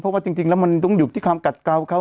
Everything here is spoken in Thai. เพราะว่าจริงแล้วมันต้องอยู่ที่ความกัดเกาเขา